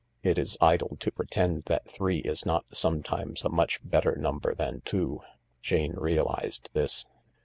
It is idle to pretend that three is not sometimes a much better number than two. Jane realised this.